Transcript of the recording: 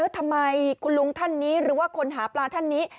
ทำไมคุณลุงท่านนี้หรือว่าคนหาปลาท่านนี้